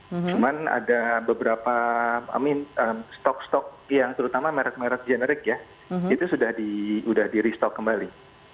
cuman ada beberapa stok stok yang terutama merek merek generik ya itu sudah di restock kembali